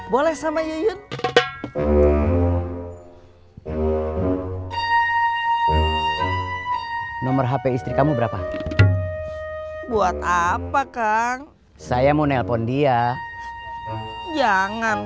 boleh sama yuyun nomor hp istri kamu berapa buat apa kang saya mau nelpon dia jangan